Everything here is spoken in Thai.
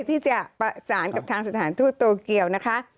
ที่จะประสานกับทางสถานทูตโตเกียวนะคะ